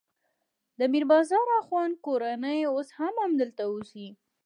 د میر بازار اخوند کورنۍ اوس هم همدلته اوسي.